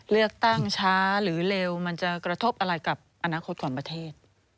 เลือกตั้งช้าหรือเร็วมันจะกระทบอะไรกับอนาคตของประเทศ